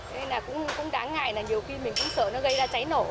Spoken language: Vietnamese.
nên là cũng đáng ngại là nhiều khi mình cũng sợ nó gây ra cháy nổ